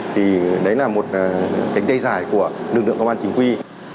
thì đấy là một cánh tay dài của lực lượng công an chính quy